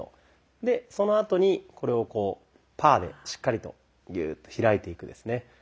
でそのあとにこれをこうパーでしっかりとギューッと開いていくですね。